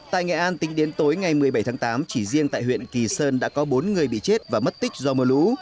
tại nghệ an tính đến tối ngày một mươi bảy tháng tám chỉ riêng tại huyện kỳ sơn đã có bốn người bị chết và mất tích do mưa lũ